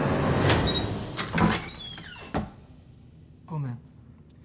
ごめん。